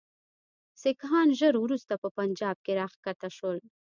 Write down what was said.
سیکهان ژر وروسته په پنجاب کې را کښته شول.